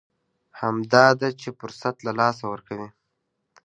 همدا ده چې فرصت له لاسه ورکوي.